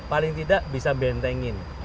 paling tidak bisa bentengin